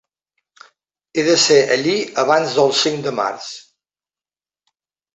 He de ser allí abans del cinc de març.